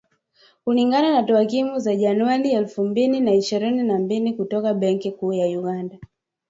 Kulingana na takwimu za Januari elfu mbili na ishirini na mbili kutoka Benki Kuu ya Uganda